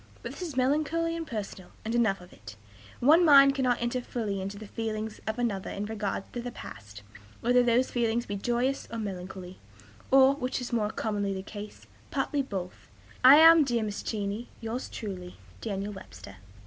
But this is melancholy and personal, and enough of it. One mind cannot enter fully into the feelings of another in regard to the past, whether those feelings be joyous or melancholy, or, which is more commonly the case, partly both. I am, dear Mrs. Cheney, yours truly, "DANIEL WEBSTER."